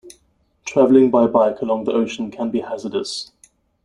Traveling by bike along the ocean can be hazardous.